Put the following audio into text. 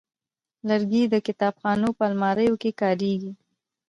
لرګی د کتابخانو په الماریو کې کارېږي.